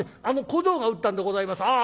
あの小僧が打ったんでございます。